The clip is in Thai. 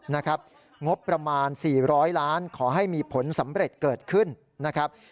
นะครับงบประมาณสี่ร้อยล้านขอให้มีผลสำเร็จเกิดขึ้นนะครับ